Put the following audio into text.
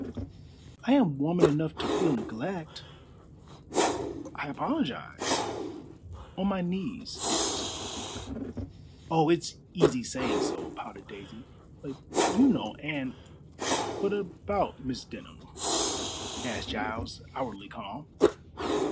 "I am woman enough to feel neglect." "I apologize on my knees, dearest." "Oh, it's easy saying so," pouted Daisy, "but you know Anne " "What about Miss Denham?" asked Giles, outwardly calm.